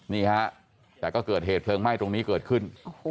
นี่ฮะแต่ก็เกิดเหตุเพลิงไหม้ตรงนี้เกิดขึ้น